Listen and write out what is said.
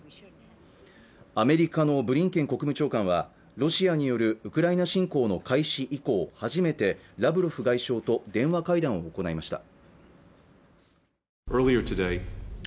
アメリカのブリンケン国務長官はロシアによるウクライナ侵攻の開始以降初めてラブロフ外相と電話会談を行いました